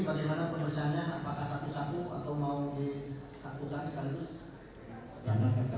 pak timah jelani alias saksi ini bahwa berusaha dengan kecerahan yang benar